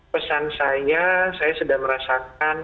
pesan saya saya sudah merasakan